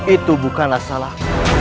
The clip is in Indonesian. itu bukanlah salah